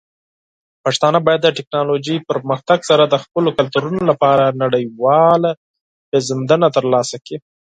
پښتانه به د ټیکنالوجۍ پرمختګ سره د خپلو کلتورونو لپاره نړیواله پیژندنه ترلاسه کړي.